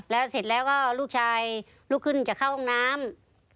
แล้วเสร็จแล้วก็ลูกชายลุกขึ้นจะเข้าห้องน้ำ